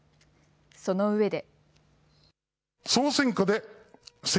そのうえで。